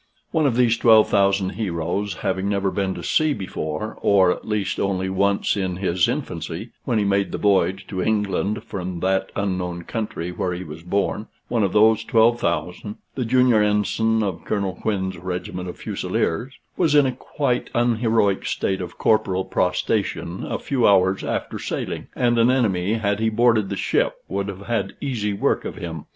One of these 12,000 heroes having never been to sea before, or, at least, only once in his infancy, when he made the voyage to England from that unknown country where he was born one of those 12,000 the junior ensign of Colonel Quin's regiment of Fusileers was in a quite unheroic state of corporal prostration a few hours after sailing; and an enemy, had he boarded the ship, would have had easy work of him.